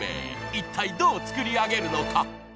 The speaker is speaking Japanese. ［いったいどう作り上げるのか］